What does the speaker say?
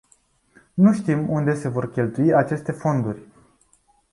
Nu știm unde se vor cheltui aceste fonduri.